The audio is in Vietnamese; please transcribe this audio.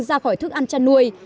ra khỏi thức ăn trăn nuôi